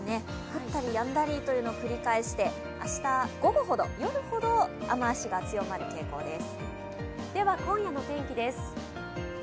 ふったりやんだりというのを繰り返して、明日、午後ほど、夜ほど雨足が強まる傾向です。